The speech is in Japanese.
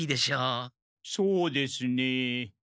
そうですねえ。